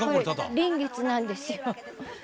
臨月なんですよ。